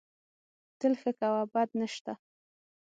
تل ښه کوه، بد نه سته